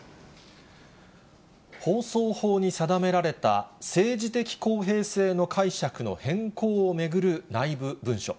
放送法に定められた、政治的公平性の解釈の変更を巡る内部文書。